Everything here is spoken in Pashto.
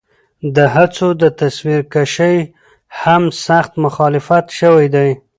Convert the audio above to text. د هڅو د تصويرکشۍ هم سخت مخالفت شوے دے